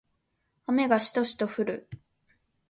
雨がしとしと降る